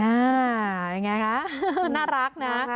ยังไงคะน่ารักนะ